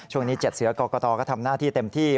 ช่วงนี้เจ็ดเสือกกะตอก็ทำหน้าที่เต็มที่